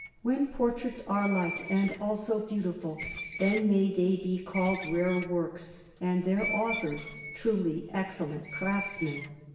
When portraits are like and also beautiful, then may they be called rare works, and their authors truly excellent craftsmen.